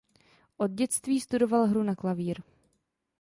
Od dětství studoval hru na klavír.